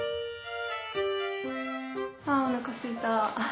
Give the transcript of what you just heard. あおなかすいた。